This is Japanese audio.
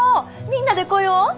みんなで来よう！